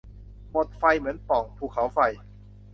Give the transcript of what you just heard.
หมดไฟเหมือนปล่องภูเขาไฟ